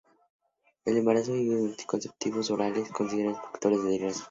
El embarazo y el uso de anticonceptivos orales se consideran factores de riesgo.